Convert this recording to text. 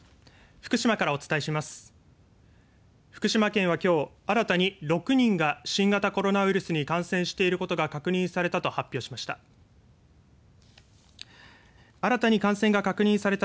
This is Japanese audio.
福島県は、きょう新たに６人が新型コロナウイルスに感染していることが確認されたと発表しました。